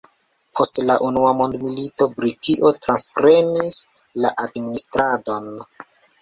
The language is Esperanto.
Post la unua mondmilito Britio transprenis la administradon.